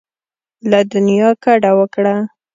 له دنیا کډه وکړه.